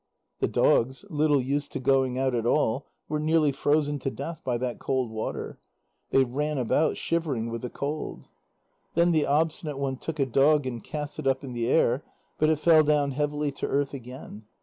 The dogs, little used to going out at all, were nearly frozen to death by that cold water; they ran about, shivering with the cold. Then the Obstinate One took a dog, and cast it up in the air, but it fell down heavily to earth again.